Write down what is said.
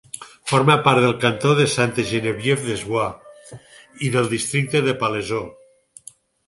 Forma part del cantó de Sainte-Geneviève-des-Bois i del districte de Palaiseau.